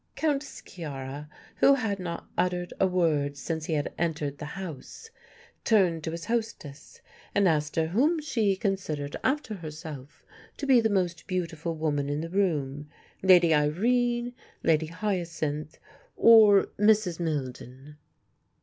Count Sciarra, who had not uttered a word since he had entered the house, turned to his hostess and asked her whom she considered, after herself, to be the most beautiful woman in the room, Lady Irene, Lady Hyacinth, or Mrs. Milden?